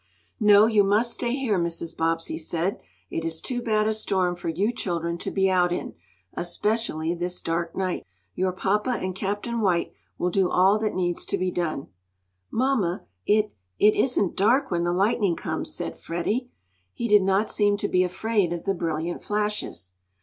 "No, you must stay here," Mrs. Bobbsey said. "It is too bad a storm for you children to be out in, especially this dark night. Your papa and Captain White will do all that needs to be done." "Mamma, it it isn't dark when the lightning comes," said Freddie. He did not seem to be afraid of the brilliant flashes.